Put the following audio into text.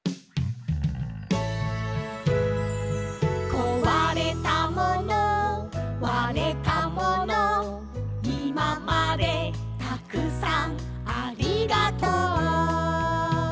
「壊れたもの割れたもの」「今までたくさんありがとう」